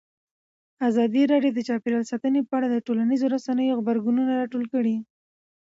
ازادي راډیو د چاپیریال ساتنه په اړه د ټولنیزو رسنیو غبرګونونه راټول کړي.